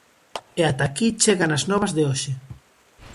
E ata aquí chegan as novas de hoxe.